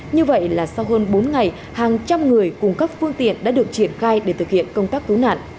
như vậy là sau hơn bốn ngày hàng trăm người cùng các phương tiện đã được triển khai để thực hiện công tác cứu nạn